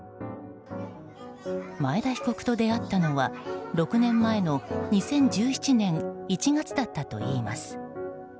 前田被告と出会ったのは６年前の２０１７年１月だったといいます。